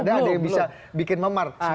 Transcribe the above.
tidak ada yang bisa bikin memar